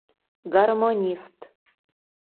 Гармонист!